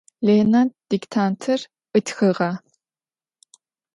Lêne diktantır ıtxığa.